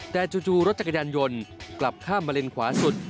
แต่จู่รถจักรยานยนต์กลับข้ามมาเลนขวาสุด